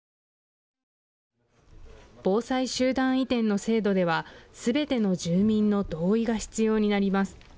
防災集団移転の制度ではすべての住民の同意が必要になります。